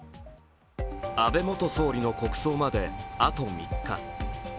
安倍元総理の国葬まであと３日。